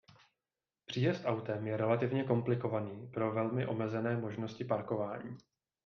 Příjezd "autem" je relativně komplikovaný pro velmi omezené možnosti parkování.